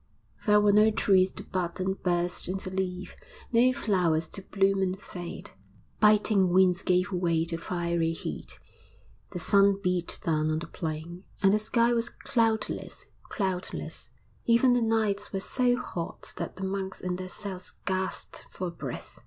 There were no trees to bud and burst into leaf, no flowers to bloom and fade; biting winds gave way to fiery heat, the sun beat down on the plain, and the sky was cloudless, cloudless even the nights were so hot that the monks in their cells gasped for breath.